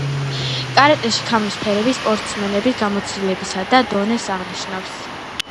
კარატეში ქამრის ფერები სპორტსმენის გამოცდილებასა და დონეს აღნიშნავს.